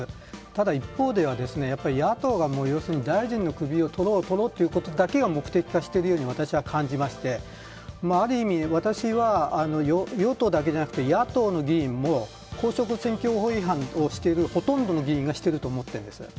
ただ一方で野党が要するに大臣の首を取ろう取ろうということだけが目的化しているように私は感じましてある意味、私は与党だけではなく野党の議員も公職選挙法違反をほとんどの議員がしていると思ってるんです。